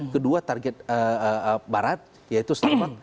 kedua target barat yaitu selamat